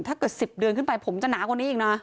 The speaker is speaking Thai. ถ้าเกิด๑๐เดือนขึ้นไปผมจะหนากว่านี้อีกนะ